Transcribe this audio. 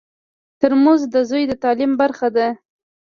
ترموز د زوی د تعلیم برخه ده.